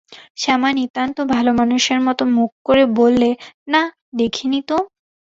শ্যামা নিতান্ত ভালোমানুষের মতো মুখ করে বললে, না, দেখি নি তো।